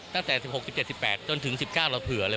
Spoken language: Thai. ตั้งแต่๑๖๑๗๑๘จนถึง๑๙เราเผื่อเลย